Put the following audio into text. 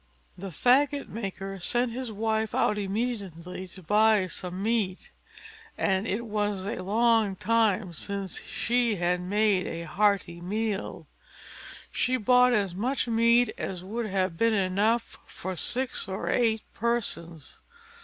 The faggot maker sent his wife out immediately to buy some meat; and as it was a long time since she had made a hearty meal, she bought as much meat as would have been enough for six or eight persons.